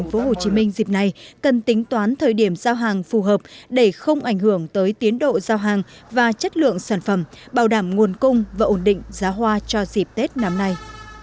tp hcm dịp này cần tính toán thời điểm giao hàng phù hợp để không ảnh hưởng tới tiến độ giao hàng và chất lượng sản phẩm bảo đảm nguồn cung và ổn định giá hoa cho dịp tết năm nay